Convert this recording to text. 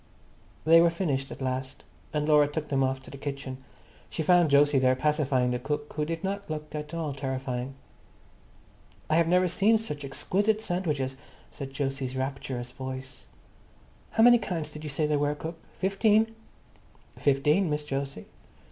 They were finished at last, and Laura took them off to the kitchen. She found Jose there pacifying the cook, who did not look at all terrifying. "I have never seen such exquisite sandwiches," said Jose's rapturous voice. "How many kinds did you say there were, cook? Fifteen?" "Fifteen, Miss Jose."